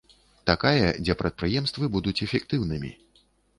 Такая, дзе прадпрыемствы будуць эфектыўнымі.